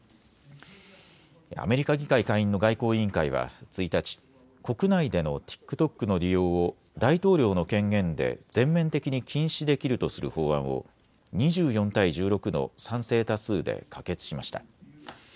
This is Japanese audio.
アメリカ議会下院の外交委員会は１日、国内でのＴｉｋＴｏｋの利用を大統領の権限で全面的に禁止できるとする法案を２４対１６の賛成多数で可決しました。